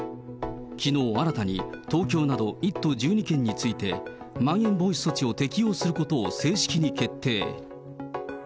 きのう新たに東京など１都１２県について、まん延防止措置を適用することを正式に決定。